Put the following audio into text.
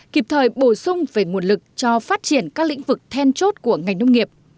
kịp thời bổ sung về nguồn lực cho phát triển các lĩnh vực then chốt của ngành nông nghiệp